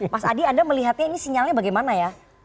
mas adi anda melihatnya ini sinyalnya bagaimana ya